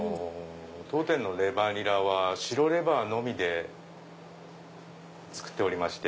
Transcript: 当店のレバニラは白レバーのみで作っておりまして。